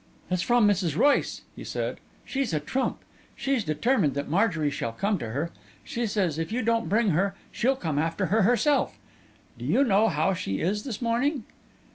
"It's from Mrs. Royce," he said. "She's a trump! She's determined that Marjorie shall come to her. She says if you don't bring her, she'll come after her herself. Do you know how she is this morning?"